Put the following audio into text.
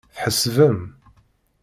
Tḥesbem.